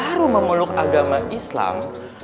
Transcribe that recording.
yang baru mengeluk agama islam